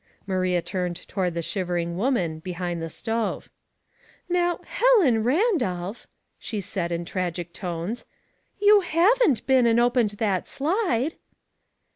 Maria turned toward the shivering woman be hind the stove. *' Now, Helen Randolph !" she said, in tragic tones, ''you haven t been and opened that slide